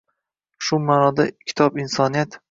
Shu ma’noda, kitob insoniyat.